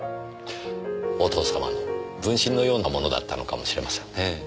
お父様の分身のようなものだったのかもしれませんね。